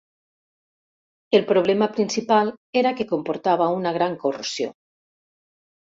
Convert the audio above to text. El problema principal era que comportava una gran corrosió.